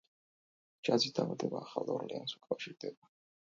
ჯაზის დაბადება ახალ ორლეანს უკავშირდება.